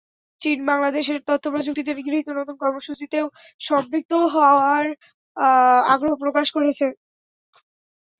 চীন বাংলাদেশের তথ্যপ্রযুক্তিতে গৃহীত নতুন কর্মসূচিতেও সম্পৃক্ত হওয়ার আগ্রহ প্রকাশ করেছে।